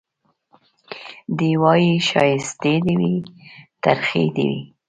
دی وايي ښايستې دي وي ترخې دي وي